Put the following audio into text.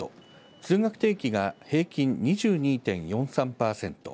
通学定期が平均２２．４３パーセント